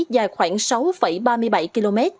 dài khoảng sáu ba mươi bảy km